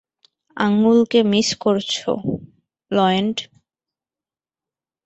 আঙ্গুলকে miss করছ, লয়েন্ড।